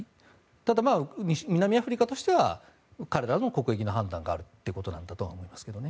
ただ、南アフリカとしては彼らの国益の判断があるということなんだと思います。